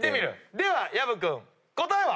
では薮君答えは？